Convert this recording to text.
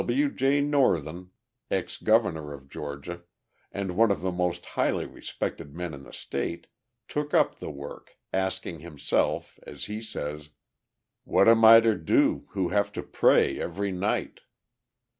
W. J. Northen, Ex Governor of Georgia, and one of the most highly respected men in the state, took up the work, asking himself, as he says: "What am I to do, who have to pray every night?"